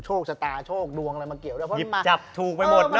โชคสตาลโชคดวงอะไรมาเกี่ยวแต่พอมันมาหยิบจับถูกไปหมดนะเออ